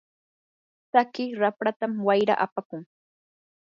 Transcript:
tsaki rapratam wayra apakun.